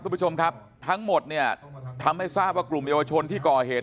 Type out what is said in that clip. คุณผู้ชมครับทั้งหมดเนี่ยทำให้ทราบว่ากลุ่มเยาวชนที่ก่อเหตุ